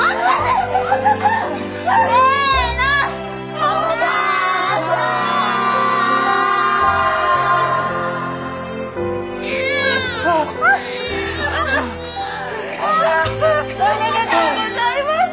おめでとうございます！